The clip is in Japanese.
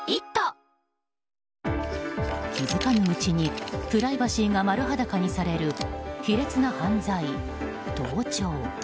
気づかぬうちにプライバシーが丸裸にされる卑劣な犯罪、盗聴。